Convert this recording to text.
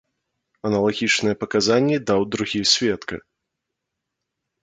Аналагічныя паказанні даў другі сведка.